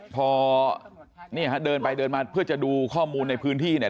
พอเนี่ยฮะเดินไปเดินมาเพื่อจะดูข้อมูลในพื้นที่เนี่ย